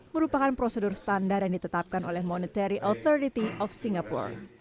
merupakan prosedur standar yang ditetapkan oleh monetary authority of singapore